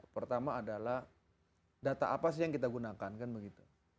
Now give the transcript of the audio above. pertama adalah data apa sih yang kita gunakan kan begitu